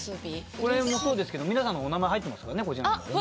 これもそうですけど皆さんのお名前入ってますからね。